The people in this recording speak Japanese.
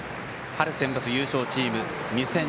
春センバツ優勝チーム